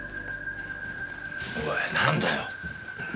おい何だよ。